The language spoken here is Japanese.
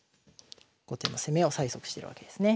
後手の攻めを催促してるわけですね。